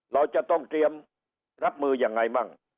เราจะต้องเตรียมรับมือยังไงมั่ง